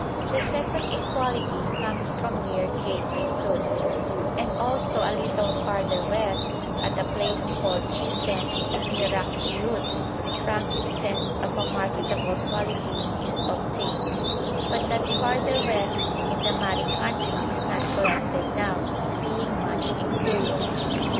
The second in quality comes from near Cape Risout, and also a little farther west, at a place called Chisen, near Rakhiout, frankincense of a marketable quality is obtained, but that farther west in the Mahri country is not collected now, being much inferior.